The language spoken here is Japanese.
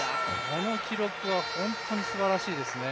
この記録は本当にすばらしいですね。